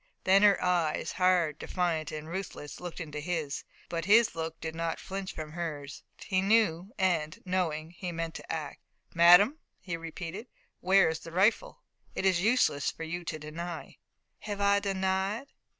Then her eyes, hard, defiant and ruthless, looked into his. But his look did not flinch from hers. He knew, and, knowing, he meant to act. "Madame," he repeated, "where is the rifle? It is useless for you to deny." "Have I denied?"